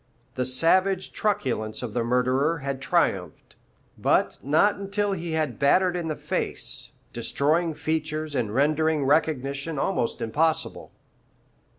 The savage truculence of the murderer had triumphed, but not until he had battered in the face, destroying features and rendering recognition almost impossible.